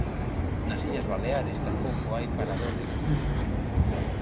Nas Illas Baleares tampouco hai Paradores de Turismo.